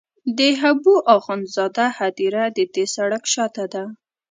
د حبو اخند زاده هدیره د دې سړک شاته ده.